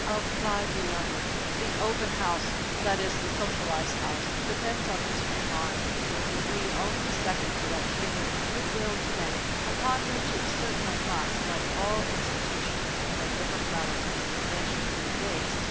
Of thy beloved_. The "open house," that is, the socialized house, depends upon this free mind to a degree only second to that spirit of "good will to man," upon which it certainly must, like all institutions in a democratic Christian nation, be based.